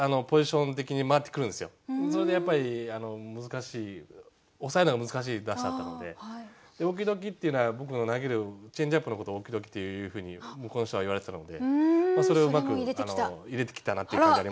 それでやっぱり難しい抑えるのが難しい打者なので「Ｏｋｅｙ‐Ｄｏｋｅｙ」っていうのは僕の投げるチェンジアップのことをオキドキっていうふうに向こうの人は言われてたのでそれをうまく入れてきたなっていう感じありますね。